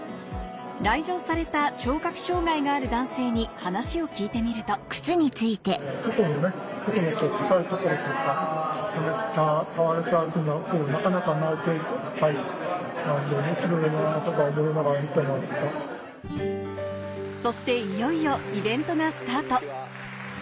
来場された聴覚障がいがある男性に話を聞いてみるとそしていよいよイベントがスタート